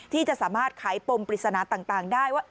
ที่จะสามารถไขปมปริศนาต่างได้ว่า